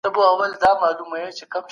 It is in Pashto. هیوادونه له نړیوالو اصولو بې پروا نه وي.